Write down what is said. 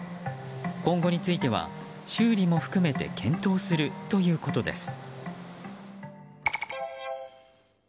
今後については修理も含めて検討するということです。